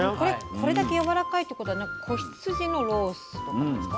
これだけやわらかいっていうことは子羊のロースとかですか？